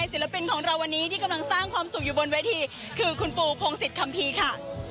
ศิลปินของเราวันนี้ที่กำลังสร้างความสุขอยู่บนเวทีคือคุณปูพงศิษยคัมภีร์ค่ะ